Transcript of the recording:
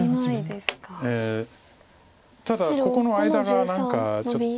ただここの間が何かちょっと。